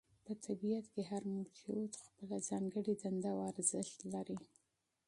په طبیعت کې هر موجود خپله ځانګړې دنده او ارزښت لري.